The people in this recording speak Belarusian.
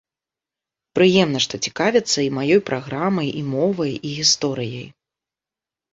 Прыемна, што цікавяцца і маёй праграмай, і мовай, і гісторыяй.